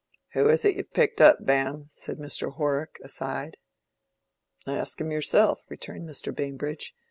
"Who is it you've picked up, Bam?" said Mr. Horrock, aside. "Ask him yourself," returned Mr. Bambridge.